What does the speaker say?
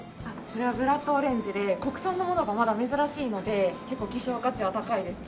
これはブラッドオレンジで国産のものがまだ珍しいので結構希少価値は高いです。